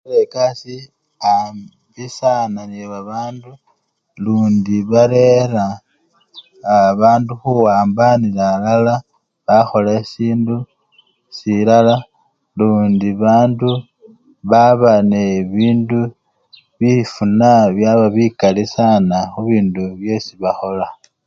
Barera ekasii ambi sana nebabandu lundi barera aa! bandu khuwambanila alala bakhola sindu silala lundi bandu babanebindu! bifuna byaba bikali sana khubindu byesi bakhola.